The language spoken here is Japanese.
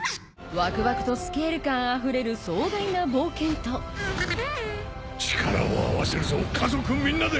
ワクワクとスケール感あふれる壮大な冒険と力を合わせるぞ家族みんなで！